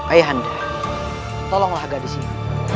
ayahanda tolonglah gadis ini